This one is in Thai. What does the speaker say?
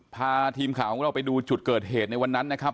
พาทีมข่าวของเราไปดูจุดเกิดเหตุในวันนั้นนะครับ